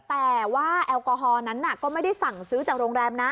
แต่ว่าแอลกอฮอลนั้นก็ไม่ได้สั่งซื้อจากโรงแรมนะ